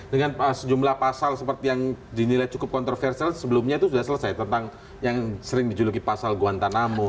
dengan sejumlah pasal seperti yang dinilai cukup kontroversial sebelumnya itu sudah selesai tentang yang sering dijuluki pasal guantanamo